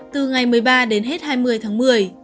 từ ngày một mươi ba đến hết hai mươi tháng một mươi